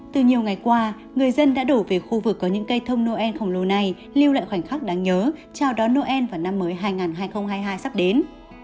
từ nhiều ngày qua người dân đã đổ về khu vực có những cây thông noel khổng lồ này lưu lại khoảnh khắc đáng nhớ chào đón noel và năm mới hai nghìn hai mươi hai sắp đến